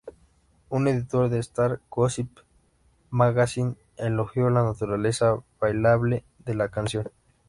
Un editor de "Star Gossip Magazine" elogió la naturaleza bailable de la canción.